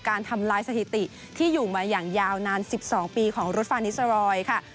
การทำลายสถิติที่อยู่มาอย่างยาวนาน๑๒ปีของรถฟานิสรอยด์ค่ะ